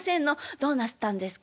どうなすったんですか？